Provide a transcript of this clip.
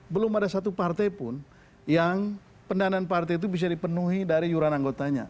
belum ada satu partai pun yang pendanaan partai itu bisa dipenuhi dari iuran anggotanya